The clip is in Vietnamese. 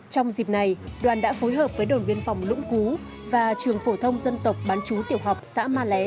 trong dịp này đoàn đã phối hợp với đồn biên phòng lũng cú và trường phổ thông dân tộc bán chú tiểu học xã ma lé